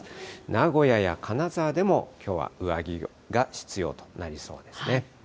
名古屋や金沢でも、きょうは上着が必要となりそうですね。